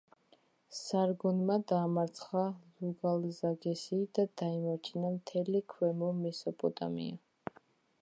სარგონმა დაამარცხა ლუგალზაგესი და დაიმორჩილა მთელი ქვემო მესოპოტამია.